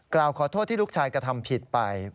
กล่าวขอโทษที่ลูกชายกระทำผิดไป